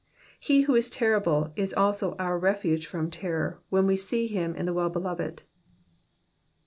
He who is terrible is also our refuge from terror when we see him in the Well beloved.